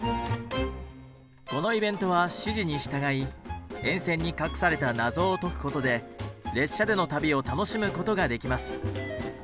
このイベントは指示に従い沿線に隠された謎を解くことで列車での旅を楽しむことができます。